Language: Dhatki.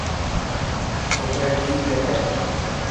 ڇوڪري ڪئي پئي ڪي.